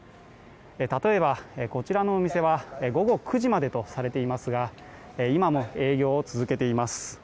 例えば、こちらのお店は午後９時までとされていますが今も営業を続けています